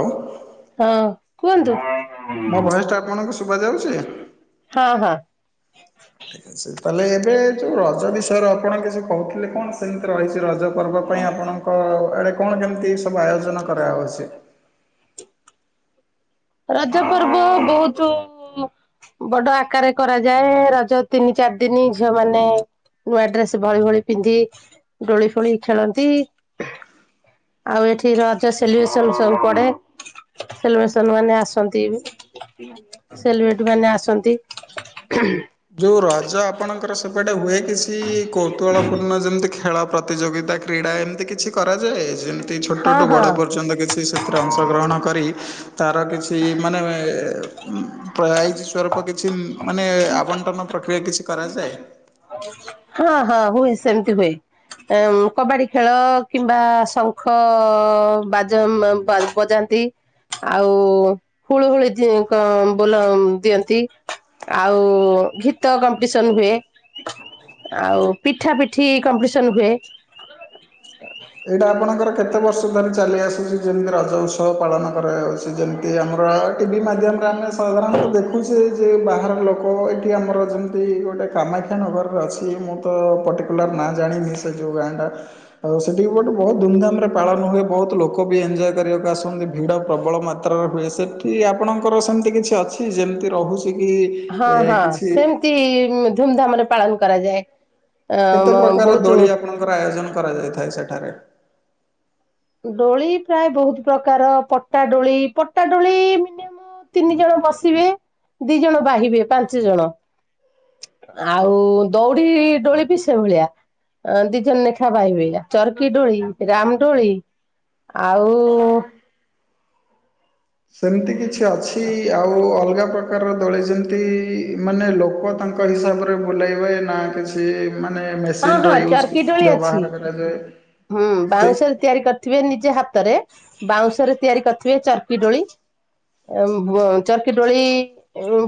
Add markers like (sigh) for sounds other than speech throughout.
Hello. ହଁ କୁହନ୍ତୁ? ମୋ ଭୟେସଟା ଆପଣଙ୍କୁ ଶୁଭାଯାଉଛି? ହଁ ହଁ। ତାହେଲେ ଏବେ ଯୋଉ ରଜ ବିଷୟରେ ଆପଣ କିଛି କହୁଥିଲେ କଣ ସେମିତି ରହିଛି ରଜ ପର୍ବ ପାଇଁ ଆପଣଙ୍କ ଆଡ଼େ କଣ କେମିତି ସବୁ ଆୟୋଜନ କରାହଉଛି। ରଜ ପର୍ବ ବହୁତୁ ବଡ ଆକାରରେ କରାଯାଏ ରଜ ତିନି ଚାରି ଦିନି ଝିଅ ମାନେ ନୂଆ ଡ୍ରେସ ଭଳି ଭଳି ପିନ୍ଧି ଡୋଳି ଫୋଳି ଖେଳନ୍ତି। ଆଉ ଏଠି ରଜ ସେଲିବ୍ରେସନ ସବୁ ପଡେ ସେଲିବ୍ରେସ ସାଙ୍ଗମାନେ ଆସନ୍ତି ସେଲିବ୍ରେଟି ମାନେ ଆସନ୍ତି ହ୍ନ ହ୍। ଯୋଉ ରଜ ଆପଣଙ୍କର ସେପଟେ ହୁଏ କିଛି କୌତୁହଳପୂର୍ଣ୍ଣ ଯେମିତି ଖେଳ ପ୍ରତି ପ୍ରତିଯୋଗିତା କ୍ରୀଡ଼ା ଏମିତି କିଛି କରାଯାଏ ଯେମିତି ହଁ ଛୋଟଠୁ ହଁ ବଡ଼ ପର୍ଯ୍ୟନ୍ତ କିଛି ସେଥି ସେଥିରେ ଅଂଶଗ୍ରହଣ କରି ତାର କିଛି ମାନେ ଇ ପ୍ରାଇଜ ସ୍ୱରୂପ କିଛି ମାନେ ଆବଣ୍ଟନ ପ୍ରକ୍ରିୟା କିଛି କରାଯାଏ। ହଁ ହଁ ହୁଏ ସେମିତି ହୁଏ। କବାଡି ଖେଳ କିମ୍ବା ଶଙ୍ଖ ବାଜ (unintelligible) ବଜାନ୍ତି। ଆଉ ହୁଳୁ ହୁଳି କ ବୋଲ ଦିଅନ୍ତି ଆଉ ଗୀତ କମ୍ପିଟିସନ ହୁଏ। ଆଉ ପିଠା ପିଠି କମ୍ପିଟିସନ ହୁଏ। ଏଇଟା ଆପଣଙ୍କର କେତେ ବର୍ଷ ଧରି ଚାଲି ଆସୁଛି ଯେମିତି ରଜ ଉତ୍ସବ ପାଳନ କରାଯାଉଛି। ଯେମିତି ଆମର ଟିଭି ମାଧ୍ୟମରେ ଆମେ ସାଧାରଣତଃ ଦେଖୁଛେ ଯେ ବାହାର ଲୋକ ଆମର ଯେମିତି ଗୋଟେ କାମାକ୍ଷାନଗରରେ ଅଛି ମୁଁ ତ ପର୍ଟିକୁଲାର ନା ଜାଣିନି ସେ ଯୋଉ ଗାଁ ଟା। ସେଠି ଗୋଟେ ବହୁତ ଧୁମଧାମରେ ପାଳନ ହୁଏ ବହୁତ ଲୋକ ବି ଏଞ୍ଜୟ କରିବାକୁ ଆସନ୍ତି ଭିଡ଼ ପ୍ରବଳ ମାତ୍ରାରେ ହୁଏ ସେ ଠି ଆପଣଙ୍କର ସେମିତି କିଛି ଅଛି ଯେମିତି ରହୁଛି କି ହଁ ଏ ହଁ କିଛି ସେମିତି ଧୁମଧାମରେ ପାଳନ କରାଯାଏ। କେତେ ଆ ପ୍ରକାର ବହୁତ। ଦୋଳି ଆପଣଙ୍କର ଆୟୋଜନ କରାଯାଇଥାଏ ସେଠାରେ। ଡୋଳି ପ୍ରାୟ ବହୁତ ପ୍ରକାର ପଟା ଡୋଳି ପଟା ଡୋଳି ମିନିମମ ତିନି ଜଣ ବସିବେ ଦି ଜଣ ବାହିବେ ପାଞ୍ଚ ଜଣ। ଆଉ ଦଉଡି ଡୋଳିିବି ସେଭଳିଆ। ଅ ଦି ଜଣ ଲେଖା ବାହିବେ ଚରକି ଡୋଳି ରାମଡୋଳି ଆଉ ସେମିତି କିଛି ଅଛି ଆଉ ଅଲଗା ପ୍ରକାରର ଦୋଳି ଯେମିତି ମାନେ ଲୋକ ତାଙ୍କ ହିସାବରେ ବୁଲେଇବେ ନା କିଛି। ମାନେ ହଁ ମେସିନ ହଁ ର ୟୁଜ ଚର୍କି ଡୋଳି ଅଛି ବ୍ୟବହାର କରାଯାଏ ସେ ଥିବେ ନିଜେ ହାତରେ ବାଉଁଶ ରେ ତିଆରି କରିଥିବେ ଚର୍କି ଡୋଳି। ଚର୍କି ଡୋଳି।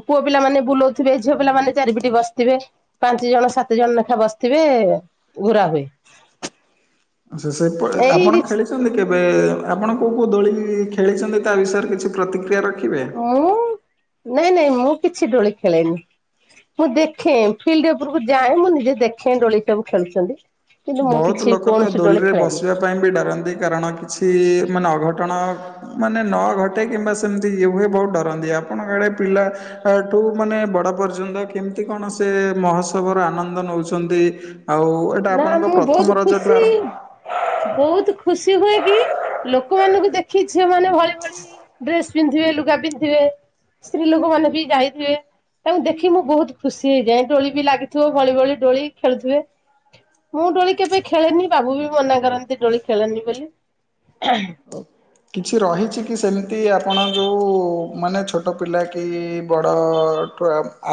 ପୁଅ ପିଲାମାନେ ବୁଲଉଥିବେ ଝିଅ ପିଲାମାନେ ଚାରିପିଟି ବସିଥିବେ ପାଞ୍ଚ ଜଣ ସାତ ଜଣ ଲେଖା ବସିି ଥିବେ ଘୁରା ହୁଏ। ସେ ସେ ଆପଣ ଏଇ ଖେଳିଛନ୍ତି। କେବେ ଆପଣ କୋଉ କୋଉ ଦୋଳି ଖେଳିଛନ୍ତି ତା ବିଷୟରେ କିଛି ପ୍ରତିକ୍ରିୟା ରଖିବେ। ମୁଁ ନାଇଁ ନାଇଁ ମୁଁ କିଛି ଡୋଳି ଖେଳେନି। ମୁଁ ଦେଖେ ଫିଲ୍ଡ ଉପରକୁ ଯାଏଁ ମୁଁ ନିଜେ ଦେଖେ ଡୋଳି ସବୁ ଖେଳୁଛନ୍ତି। କିନ୍ତୁ ମୁଁ ବହୁତ କିଛି ଲୋକ ତ କୌଣସି ଦୋଳି ଦୋଲିରେ ଖେଳେନି। ବସିବା ପାଇଁ ବି ଡରନ୍ତି କାରଣ କିଛି ମାନେ ଅଘଟଣ ମାନେ ନ ଘଟେ କିମ୍ବା ସେମିତି ଇଏ ହୁଏ ବହୁତ ଡରନ୍ତି ଆପଣଙ୍କଆଡ଼େ ପିଲା ଏଠୁ ମାନେ ବଡ଼ ପର୍ଯ୍ୟନ୍ତ କେମିତି କଣ ସେ ମହୋତ୍ସବର ଆନନ୍ଦ ନେଉଛନ୍ତି। ଆଉ ଏଇଟା ନା ଆପଣଙ୍କ ମୁଁ ପ୍ରଥମ ବହୁତ ରଜଠୁ ଖୁସି। ଆରମ୍ଭ ବହୁତ ଖୁସି ହୁଏ କି ଲୋକମାନଙ୍କୁ ଦେଖି ଝିଅ ମାନେ ଭଳି ଭଳି ଡ୍ରେସ୍ ପିନ୍ଧିବେ ଲୁଗା ପିନ୍ଧଥିବେ ସ୍ତ୍ରୀ ଲୋକମାନେ ବି ଯାଇଥିବେ। ତାଙ୍କୁ ଦେଖି ମୁଁ ବହୁତ ଖୁସି ହେଇଯାଏ ଡୋଳି ବି ଲାଗିଥିବ ଭଳି ଭଳି ଡୋଳି ଖେଳୁଥିବେ। ମୁଁ ଦୋଳି କେବେ ଖେଳେନି ବାବୁ ବି ମନା କରନ୍ତି ଦୋଳି ଖେଳନି ବୋଲି। କିଛି ରହିଛି କି ସେମିତି ଆପଣ ଯେଉଁ ମାନେ ଛୋଟ ପିଲା କି ବଡ଼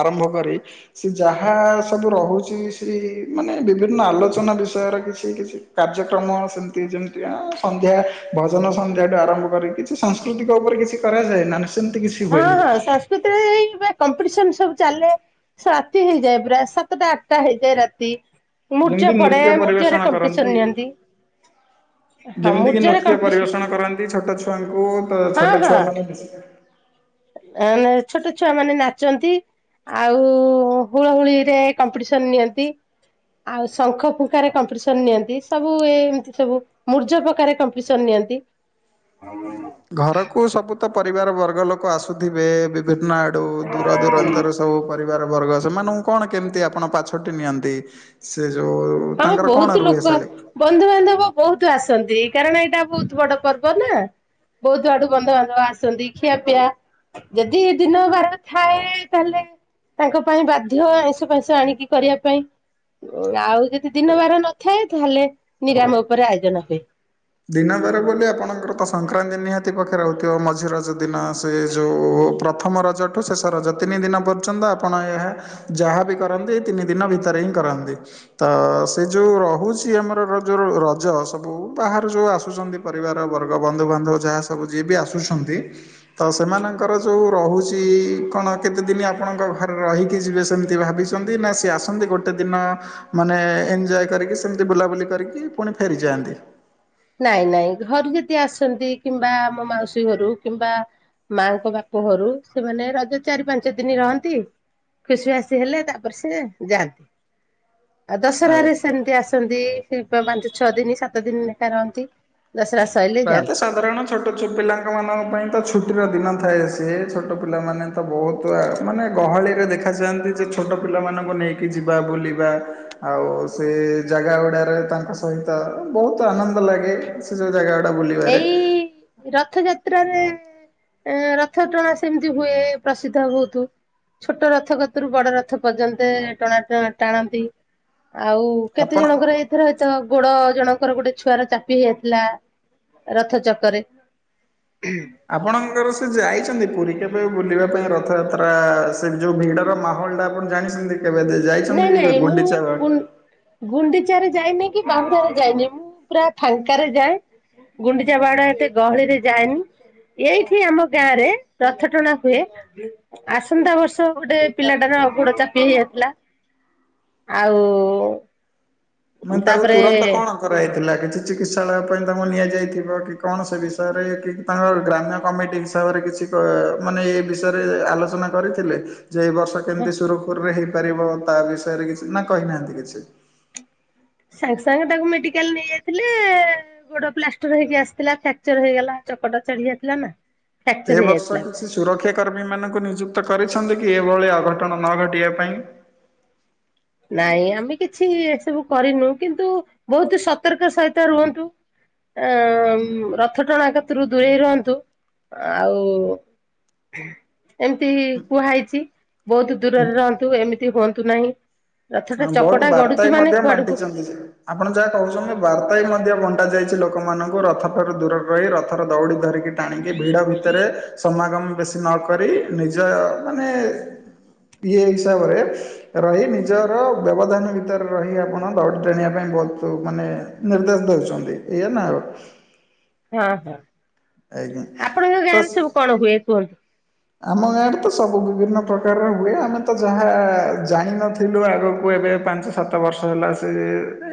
ଆରମ୍ଭ କରି ସେ ଯାହା ସବୁ ରହୁଛି ସେ ମାନେ ବିଭିନ ନା ଆଲୋଚନା ବିଷୟରେ କିଛି କିଛି କାର୍ଯ୍ୟକ୍ରମ ସେମତି ଯେମିତି କ ସନ୍ଧ୍ୟା ଭଜନ ସନ୍ ଠୁ ଆରମ୍ଭ କରିକ କିଛି ସାଂସ୍କୃତିକ ଉପରେ କିଛି କରାଯାଏ ନ ସେମିତି କିଛି? ହଁ ହୁଏନି। ହଁ ସଂସ୍କୃତିରେ କମ୍ପିଟିସନ ସବୁ ଚାଲେ। ରାତି ହେଇଯାଏ ପୁରା ସାତଟା ଆଠଟା ହେଇଯାଏ ରାତି। ଯେମିତି ମୁର୍ଯ୍ୟ ପଢେ ନୃତ୍ୟ ପରିବେଷଣ ମୁର୍ଜରେ କରନ୍ତି କମ୍ପିଟିସନ ନିଅନ୍ତି। ହଁ ଯେମିତିକି ମୁର୍ଜରେ ନୃତ୍ୟ କମ୍ପିଟିସନ ପରିବେଷଣ କରନ୍ତି ଛୋଟ ଛୁଆଙ୍କୁ ତ ଛୋଟ ଛୁଆମାନେ ମିଶିବେ। ଅଁ ଛୋଟ ଛୁଆ ମାନେ ନାଚନ୍ତି। ଆଉ ହୁଳ ହୁଳିରେ କମ୍ପିଟିସନ ନିଅନ୍ତି। ଆଉ ଶଙ୍ଖ ଫୁଖାରେ କମ୍ପିଟିସନ ନିଅନ୍ତି ସବୁ ଏମିତି ସବୁ ମୂର୍ଜ ପ୍ରକାରେ କମ୍ପିଟିସନ ନିଅନ୍ତି। ଘରକୁ ସବୁ ତ ପରିବାର ବର୍ଗ ଲୋକ ଆସୁଥିବେ। ବିଭିନ୍ନ ଆଡ଼ୁ ଦୂର ଦୂରାନ୍ତରୁ ସବୁ ପରିବାର ବର୍ଗ ସେମାନଙ୍କୁ କଣ କେମିତି ଆପଣ ପାଛଟି ନିଅନ୍ତି ସେ ଯୋଉ ହଁ ତାଙ୍କର କଣ ବହୁତ ରୁହେ ଲୋକ। ଶାଳେ? ବନ୍ଧୁବାନ୍ଧବ ବହୁତ ଆସନ୍ତି କାରଣ ଏଇଟା ବହୁତ ବଡ ପର୍ବ ନା। ବହୁତ ବଡୁ ବନ୍ଧୁବାନ୍ଧବ ଆସଛନ୍ତିନ୍ତି ଖିଆ ପିଇଆ ଯଦି ଦିନ ବାର ଥାଏ ତାହେଲେ ତାଙ୍କ ପାଇଁ ବାଧ୍ୟ ଆଇଁଷ ପାଇଁଷ ଆଣିକି କରିବା ପାଇଁ ଆଉ ଯଦି ଦିନ ବାର ନଥାଏ ତାହେଲେ ନିରାମ ଉପରେ ଆୟୋଜନ ହୁଏ। ଦିନ ବାର ବୋଲି ଆପଣଙ୍କର ତ ସଂକ୍ରାନ୍ତି ନିହାତି ପାଖରେ ରହୁଥିବ ମଝିରେ ଯଦି ଦିନ ସେ ଯେଉଁ ପ୍ରଥମ ରଜଠୁ ଶେଷ ରଜ ତିନି ଦିନ ପର୍ଯ୍ୟନ୍ତ ଆପଣ ଏହା ଯାହାବି କରନ୍ତି ତିନି ଦିନ ଭିତରେ ହିଁ କରନ୍ତି। ତ ସେ ଯେଉଁ ରହୁଛି ଆମର ରଜର ରଜ ସବୁ ବାହ- ଯଉ ଆସୁଛନ୍ତି ପରିବାର ବର୍ଗ ବନ୍ଧୁବାନ୍ଧବ ଯାହା ସବୁ ଯିଏ ବି ଆସୁଛନ୍ତି। ତ ସେମାନଙ୍କର ଯେଉଁ ରହୁଛି କଣ କେତେଦିନ ଆପଣଙ୍କ ଘରେ ରହିକି ଯିବେ ସେମିତି ଭାବିଛି ନା ସିଏ ଆସନ୍ତି ଗୋଟେ ଦିନ ମାନେ ଏଞ୍ଜୟ କରିକି ସେମିତି ବୁଲାବୁଲି କରିକି ପୁଣି ଫେରିଯାଆନ୍ତି। ନାଇଁ ନାଇଁ ଘରୁ ଯଦି ଆସନ୍ତି କିମ୍ବା ଆମ ମାଉସୀ ଘରୁ କିମ୍ବା ମାଙ୍କ ବାପ ଘରୁ ସେମାନେ ରଜ ଚାରି ପାଞ୍ଚ ଦିନ ରହନ୍ତି। ଖୁସି ଆସି ହେଲେ ତାପରେ ସେ ଯାଆନ୍ତି। ଆଉ ଦଶହାରେ ଆଜ୍ଞା। ସେମିତି ଆସନ୍ତି ଶି୍ ପାଞ୍ଚ ଛଅ ଦିନ ସାତ ଦିନ ଲେଖା ରହନ୍ତି। ଦଶହରା ସଇଲେ ପ୍ରାୟତଃ ଯାନ୍ତି। ସାଧାରଣ ଛୋଟ ଛୋ ପିଲାଙ୍କ ମାନଙ୍କ ପାଇଁ ତ ଛୁଟିର ଦିନ ଥାଏ ସିଏ ଛୋଟ ପିଲାମାନେ ତ ବହୁତ ମାନେ ଗହଳିରେ ଦେଖାଯାଆନ୍ତି ଯେ ଛୋଟ ପିଲାମାନଙ୍କୁ ନେଇକି ଯିବା ବୁଲିବା ଆଉ ସେ ଜାଗା ଗୁଡାାରେ ତାଙ୍କ ସହିତ ବହୁତ ଆନନ୍ଦ ଲାଗେ ସେ ଯ ବା ବୁଲିବାରେ। ଏଇ ରଥଯାତ୍ରାରେ ରଥଟ୍ରଣା ସେମିତି ହୁଏ ପ୍ରସିଦ୍ଧ ବହୁତ। ଛୋଟ ରଥ କତୁରୁ ବଡ ରଥ ପର୍ଯ୍ୟନ୍ତ ଟଣା ଟାଣନ୍ତି। ଆଉ କେତେ ଆପଣ ଜଣଙ୍କର ଏଇଥର ହତ ଗୋଡ ଜଣଙ୍କର ଗୋଟେ ଛୁଆର ଚାପି ହେଇଯାଇଥିଲା। ରଥ ଚକରେ। ଆପଣଙ୍କର ସେ ଯାଇଛନ୍ତି ପୁରୀ କେବେ ବୁଲିବା ପାଇଁ ରଥଯାତ୍ରା ଯୋଉ ଭିଡର ମାହଲଟା ଆପଣ ଜାଣିଛନ୍ତି କେବେ ଦେ ନାଇଁ ନାଇଁ ମୁଁ ଗୁଣ୍ଡିଚାରେ ଯାଇନି କି ବାହୁଡାରେ ଯାଇନି ମୁଁ ପୁରା ଫାଙ୍କାରେ ଯାଏ। ଗୁଣ୍ଡିଚା ବାହୁଡା ଏତେ ଗହଳିରେ ଯାଏନି। ଏଇଠି ଆମ ଗାଁରେ ରଥ ଟଣା ହୁଏ। ଆସନ୍ତା ବର୍ଷ ଗୋଟେ ପିଲାଟାର ଗୋଡ ଚାପି ହେଇଯାଇଥିଲା। ଆଉ ମାନେ ତାକୁ ତାପରେ ତୁରନ୍ତ କଣ କରାହେଇଥିଲା କିଛି ଚିକିତ୍ସାଳୟ ପାଇଁ ତାଙ୍କୁ ନିଆଯାଇଥିବ କି କଣ ସେ ବିଷୟରେ କି? ତାଙ୍କର ଗ୍ରାମ୍ୟ କମିଟି ହିସାବରେ କିଛି ମାନେ ବିଷୟରେ ଆଲୋଚନା କରିଥିଲେ ଯେ ଏଇ ବର୍ଷ ହଁ କେମିତି ସୁରୁଖୁରୁରେ ହେଇ ପାରିବ ତା ବିଷୟରେ କିଛି ନା କହିନାହାନ୍ତି କିଛି। ସାଙ୍ଗେ ସାଙ୍ଗେ ତାକୁ ମେଡିକାଲ ନେଇ ଯାଇଥିଲେ ଗୋଡ ପ୍ଲାଷ୍ଟର ହେଇକି ଆସିଥିଲା ଫ୍ୟାକ୍ଚର ହେଇଗଲା ଚକଟା ଚଢି ଯାଇଥିଲା ନା ଏ ଫ୍ରାକ୍ଚର ବର୍ଷ ହେଇଯାଇଥିଲା। କିଛି ସୁରକ୍ଷା କର୍ମୀମାନଙ୍କୁ ନିଯୁକ୍ତ କରିଛନ୍ତି କି ଏଭଳିଆ ଅଘଟଣ ନ ଘଟିବା ପାଇଁ? ନାଇଁ ଆମେ କିଛି ଏସବୁ କରିନୁ କିନ୍ତୁ ବହୁତ ସତର୍କ ସହିତ ରୁହନ୍ତୁ। ଅ ରଥ ଟଣା କତିରୁ ଦୂରେଇ ରୁହନ୍ତୁ। ଆଉ ଏମିତି କୁହା ହେଇଛି ବହୁତ ଦୂରରେ ରହନ୍ତୁ ଏମିତି ହୁଅନ୍ତୁ ନାହିଁ। ରଥଟା ହଁ ବହୁତ ଚକଟା ବାର୍ତ୍ତା ଗଡୁଛି ବି ମାନେ ମଧ୍ୟ କୁଆଡକୁ ବାଣ୍ଟିଛନ୍ତି ଯେ ଆପଣ ଯାହା କହୁଛନ୍ତି ବାର୍ତ୍ତା ବି ମଧ୍ୟ ବଣ୍ଟା ଯାଇଛି ଲୋକମାନଙ୍କୁ ରଥଠାରୁ ଦୂରରେ ରହି ରଥର ଦଉଡ଼ି ଧରିକି ଟାଣିକି ଭିଡ ଭିତରେ ସମାଗମ ବେଶୀ ନ କରି ନିଜ ମାନେ ଇଏ ହିସାବରେ ରହି ନି ନିଜର ବ୍ୟବଧାନ ଭିତରେ ରହି ଆପଣ ଦୌଡ଼ି ଟାଣିବା ପାଇଁ ବହୁତ ମାନେ ନିର୍ଦ୍ଦେଶ ଦେଉଛନ୍ତି। ଏଇଆ ନା ଆଉ ହଁ ହଁ ଆଜ୍ଞା ଆପଣଙ୍କ ଗାଁରେ ତ ସବୁ କଣ ହୁଏ କୁହନ୍ତୁ? ଆମ ଗାଁରେ ତ ସବୁ ବିଭିନ୍ନ ପ୍ରକାରର ହୁଏ ଆମେ ତ ଯାହା ଜାଣିିନଥିଲୁ ଆଗକୁ ଏବେ ପାଞ୍ଚ ସାତ ବର୍ଷ ହେଲା ସେ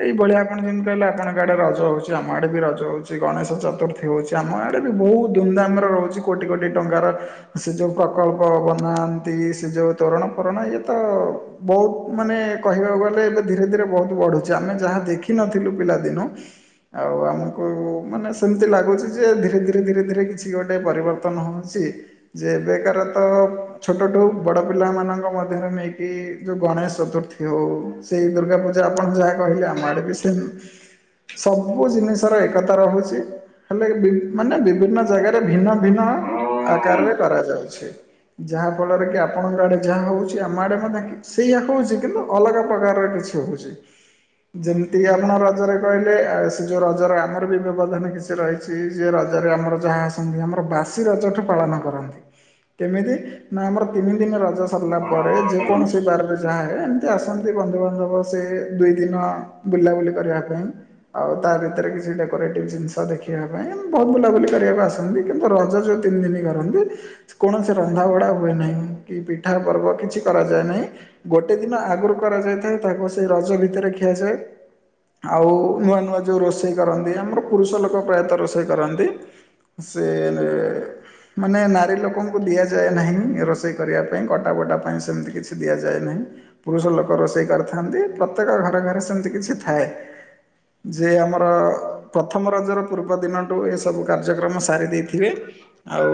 ଏଇଭଳିଆ ଆପଣ ଯେମିତି କହିଲେ ଆପଣଙ୍କ ଆଡ଼େ ରଜ ହେଉଛି ଆମ ଆଡ଼େ ବି ରଜ ହେଉଛି। ଗଣେଶ ଚତୁର୍ଥୀ ହଉଛି ଆମ ଆଡେ ବି ବହୁତ ଧୁମଧାମରେ ରହୁଛି କୋଟି କୋଟି ଟଙ୍କାର ସେ ଯେଉଁ ପ୍ରକଳ୍ପ ବନାନ୍ତି ସେ ଯେଉଁ ତୋରଣ ପୋରଣ ଇଏ ତ ବହୁତ ମାନେ କହିବାକୁ ଗଲେ ଏବେ ଧୀରେ ଧୀରେ ବହୁତ ବଢୁଛି ଆମେ ଯାହା ଦେଖିନଥିଲୁ ପିଲାଦିନୁ ଆଉ ଆମକୁ ମାନେ ସେମିତି ଲାଗୁଛି ଯେ ଧୀରେ ଧୀରେ ଧୀରେ ଧୀରେ କିଛି ଗୋଟେ ପରିବର୍ତ୍ତନ ହେଉଛି। ଯେ ଏବେକାର ତ ଛୋଟଠୁ ବଡ଼ ପିଲାମାନଙ୍କ ମଧ୍ୟରେ ନେଇକି ଯୋଉଁ ଗଣେଶ ଚତୁର୍ଥୀ ହେଉ ସେଇ ଦୁର୍ଗା ପୂଜା ଆପଣ ଯାହା କହିଲେ ଆମ ଆଡ଼େ ବି ସେମ ସବୁ ଜିନିଷର ଏକତା ରହୁଛି। ହେଲେ ବି ମାନେ ବିଭିନ୍ନ ଜାଗାରେ ଭିନ୍ନ ଭିନ୍ନ ଆକାରରେ କରାଯାଉଛି। ଯାହା ଫଳରେ କି ଆପଣଙ୍କ ଆଡେ ଯାହା ହଉଛି ଆମ ଆଡେ ମଧ୍ୟ କି ସେଇଆ ହଉଛି କିନ୍ତୁ ଅଲଗା ପ୍ରକାରର କିଛି ହଉଛି। ଯେମିତିକି ଆପଣ ରଜରେ କହିଲେ ଆ ସେ ଯୋଉ ରଜରେ ଆମର ବି ବ୍ୟବଧାନ କିଛି ରହିଛି ଯିଏ ରଜରେ ଆମର ଯାହା ଆସନ୍ତି ଆମର ବାସି ରଜଠୁ ପାଳନ କରନ୍ତି। କେମିତି ନା ଆମର ତିନି ଦିନ ରଜ ସରିଲା ପରେ ଯେକୌଣସି ବାରରେ ଯାହାହେ ଏମିତି ଆସନ୍ତି ବନ୍ଧୁବାନ୍ଧବ ସେ ଦୁଇ ଦିନ ବୁଲାବୁଲି କରିବା ପାଇଁ। ଆଉ ତା ଭିତରେ କିଛି ଡେକୋରେଟିଭ୍ ଜିନିଷ ଦେଖିବା ପାଇଁ ବହୁତ ବୁଲାବୁଲି କରିବାକୁ ଆସନ୍ତି କିନ୍ତୁ ରଜ ଯ ତିନି ଦିନ କରନ୍ତି। କୌଣସି ରନ୍ଧାବଢ଼ା ହୁଏ ନାହିଁ କି ପିଠା ପର୍ବ କିଛି କରାଯାଏ ନାହିଁ। ଗୋଟେ ଦିନ ଆଗରୁ କରାଯାଇଥାଏ ତାକୁ ସେଇ ରଜ ଭିତରେ ଖିଆଯାଏ। ଆଉ ନୂଆ ନୂଆ ଯେଉଁ ରୋଷେଇ କରନ୍ତି ଆମର ପୁରୁଷ ଲୋକ ପ୍ରାୟତଃ ରୋଷେଇ କରନ୍ତି। ସେଲେ ମାନେ ନା ରି ଲୋକଙ୍କୁ ଦିଆଯାଏ ନାହିଁ ଏ ରୋଷେଇ କରିବା ପାଇଁ କଟା ବଟା ପାଇଁ ସେମିତି କିଛି ଦିଆଯାଏ ନାହିଁ। ପୁରୁଷ ଲୋକ ରୋଷେଇ କରିଥାନ୍ତି ପ୍ରତ୍ୟେକ ଘରେ ଘରେ ସେମିତି କିଛି ଥାଏ। ଯେ ଆମର ପ୍ରଥମ ରଜର ପୂର୍ବ ଦିନଠୁ ଏସବୁ କାର୍ଯ୍ୟକ୍ରମ ସାରି ଦେଇଥିବେ ଆଉ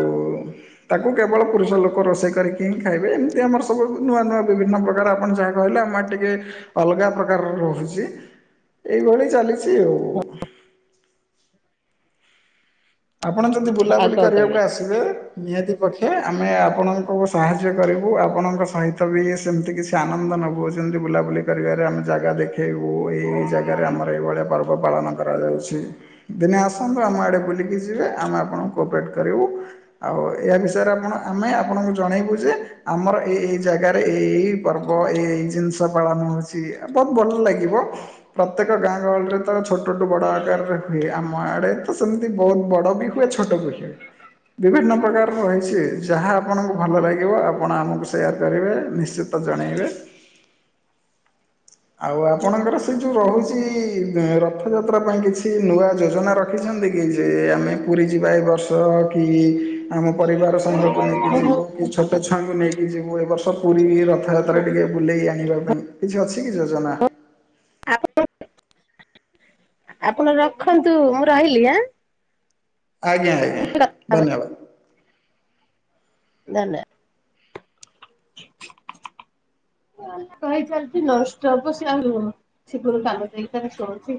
ତାକୁ କେବଳ ପୁରୁଷ ଲୋକ ରୋଷେଇ କରିକି ଖାଇବେ ଏମିତି ଆମର ସବୁ ନୂଆ-ନୂଆ ବିଭିନ୍ନ ପ୍ରକାର ଆପଣ ଯାହା କହିଲେ ଆମର ଟିକେ ଅଲଗା ପ୍ରକାରର ରହୁଛି ଏଇଭଳି ଚାଲିଛି ଆଉ। ଆପଣ ଯଦି ଆଉ ବୁଲାବୁଲି କଣ କରିବାକୁ କହିବେ? ଆସିବେ ନିହାତି ପକ୍ଷେ ଆମେ ଆପଣଙ୍କୁ ସାହାଯ୍ୟ କରିବୁ ଆପଣଙ୍କ ସହିତ ବି ସେମିତି କିଛି ଆନନ୍ଦ ନୋବୁ ଯେମିତି ବୁଲାବୁଲି କରିବାରେ ଆମେ ଜାଗା ଦେଖେଇବୁ ଏଇ ଜାଗାରେ ଆମର ଏଇଭଳିଆ ପର୍ବ ପାଳନ କରାଯାଉଛି ଦିନେ ଆସନ୍ତୁ ଆମ ଆଡ଼େ ବୁଲିକି ଯିବେ ଆମେ ଆପଣଙ୍କୁ କୋପରେଟ୍ କରିବୁ। ଆଉ ଏହା ବିଷୟରେ ଆପଣ ଆମେ ଆପଣଙ୍କୁ ଜଣେଇବୁ ଯେ ଆମର ଏଇ ଏଇ ଜାଗାରେ ଏ ଏଇ ପର୍ବ ଏଇ ଏଇ ଜିନିଷ ପାଳନ ହୋଉଛି ଆ ବୋହୁତ ଭଲ ଲାଗିବ। ପ୍ରତେକ ଗାଁ ଗହଳିରେ ତ ଛୋଟ ଠୁ ବଡ଼ ଆକାରରେ ହୁଏ ଆମ ଆଡ଼େ ତ ସେମିତି ବହୁତ ବଡ଼ ବି ହୁଏ ଛୋଟ ବି ହୁଏ, ବିଭିନ୍ନ ପ୍ରକାରର ରହିଛି ଯାହା ଆପଣଙ୍କୁ ଭଲ ଲାଗିବ ଆପଣ ଆମକୁ ସେୟାର କରିବେ ନିଶ୍ଚିତ ତ ଜଣେଇବେ। ଆଉ ଆପଣଙ୍କର ସ୍ ସେ ଯେଉଁ ରହୁଛି ଦେ ରଥଯାତ୍ରା ପାଇଁ କିଛି ନୂଆ ଯୋଜନା ରଖିଛନ୍ତି କି ଯେ ଆମେ ପୁରୀ ଯିବା ଏ ବର୍ଷ କି ଆମ ପରିବାର ସାଙ୍ଗ କୁ ନେଇକି ଯିବୁ। ଛୋଟ ଛୁଆ ଙ୍କୁ ନେଇକି ଯିବୁ ଏବର୍ଷ ପୁରୀ ରଥ ରଥଯାତ୍ରାରେ ଟିକେ ବୁଲେଇ ଆଣିବା ପାଇଁ କିଛି ଅଛି କି ଯୋଜନା। ଆପଣ? ଆପଣ ରଖନ୍ତୁ ମୁଁ ରହିଲି ଆଁ। ଆଜ୍ଞା ଆଜ୍ଞା ଧନ୍ୟବାଦ୍। ନାନା। କହି ଚାଲିଛି ନନ୍‌ଷ୍ଟପ୍ ସେ ଆଉ ସେପରୁ କାମ ଯାଇ ଶୁଣୁଛି।